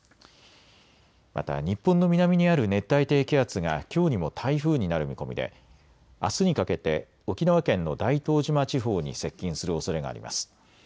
また日本の南にある熱帯低気圧がきょうにも台風になる見込みであすにかけて沖縄県の大東島地方に接近するおそれがあります。